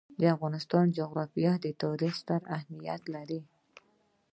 د افغانستان جغرافیه کې تاریخ ستر اهمیت لري.